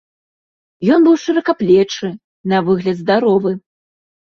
Ён быў шыракаплечы, на выгляд здаровы.